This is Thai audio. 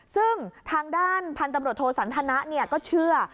ซึ่งทางด้านพันธบริโฑษศรรษณะก็เชื่อ